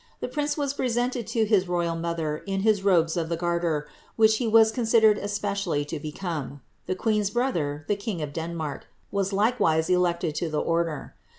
The prince was presented to his royal mother in his robes of the Grarter, which he was considered especially to become. The queen's brother, the king of Denmark, was likewise elected to the order.